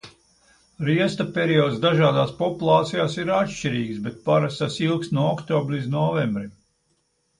Riesta periods dažādās populācijās ir atšķirīgs, bet parasti tas ilgst no oktobra līdz novembrim.